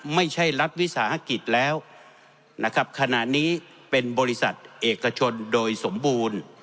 ไม่ใช่รัฐวิสาหกิจแล้วนะครับขณะนี้เป็นบริษัทเอกชนโดยสมบูรณ์